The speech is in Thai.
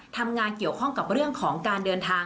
ทำงานเกี่ยวข้องกับเรื่องของการเดินทาง